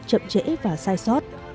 chậm chế và sai sót